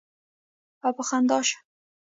او پۀ خندا شۀ ـ